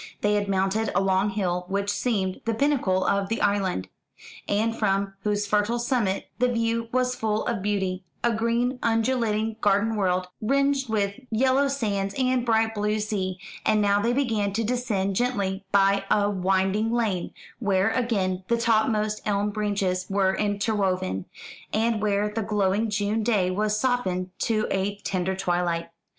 They had mounted a long hill which seemed the pinnacle of the island, and from whose fertile summit the view was full of beauty a green undulating garden world, ringed with yellow sands and bright blue sea; and now they began to descend gently by a winding lane where again the topmost elm branches were interwoven, and where the glowing June day was softened to a tender twilight.